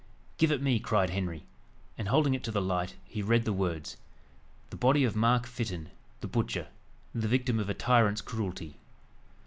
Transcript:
"Give it me!" cried Henry; and holding it to the light, he read the words, "The body of Mark Fytton, the butcher, the victim of a tyrant's cruelty."